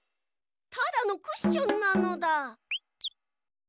ただのクッションなのだ。